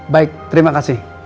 baik terima kasih